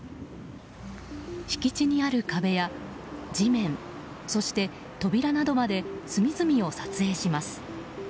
敷地にある壁や地面そして扉などまで隅々を撮影します。